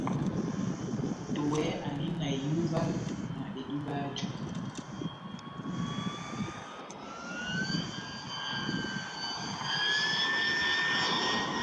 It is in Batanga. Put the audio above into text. Moto wɛhɛ andi na ihúwa na edub'aju.